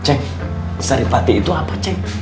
cek seripati itu apa cek